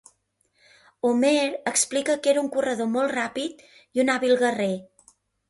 Homer explica que era un corredor molt ràpid i un hàbil guerrer.